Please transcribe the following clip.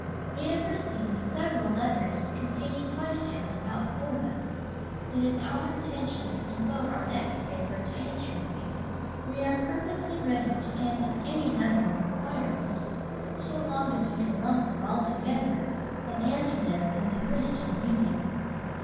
We have received several letters containing questions about Florida. It is our intention to devote our next paper to answering these. We are perfectly ready to answer any number of inquiries, so long as we can lump them all together, and answer them through "The Christian Union."